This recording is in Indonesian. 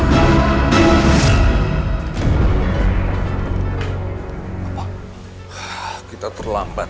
bapak kita terlambat